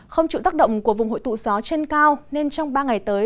không chịu tác động của vùng hội tụ gió trên cao nên trong ba ngày tới